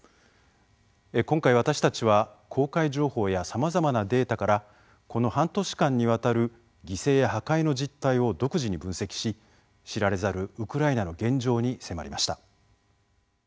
今回私たちは公開情報やさまざまなデータからこの半年間にわたる犠牲や破壊の実態を独自に分析し知られざるウクライナの現状に迫りました。